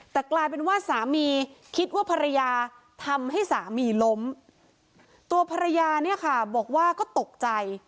แต่กลายเป็นว่าสามีคิดว่าภรรยาทำให้สามีล้มตัวภรรยาเนี่ยค่ะบอกว่าก็ตกใจ